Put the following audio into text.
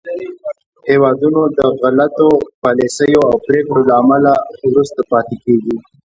هېوادونه د غلطو پالیسیو او پرېکړو له امله وروسته پاتې کېږي